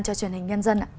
cho truyền hình nhân dân